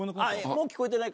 もう聞こえてない？